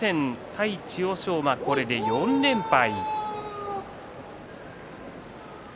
対千代翔馬、これで４連敗です。